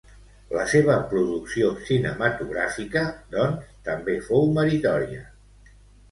La seva producció cinematogràfica, doncs, també fou meritòria.